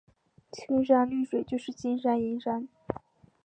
绿水青山就是金山银山